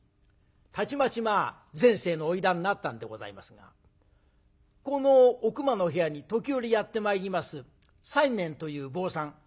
たちまち全盛の花魁になったんでございますがこのおくまの部屋に時折やって参ります西念という坊さん。